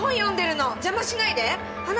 邪魔しないで！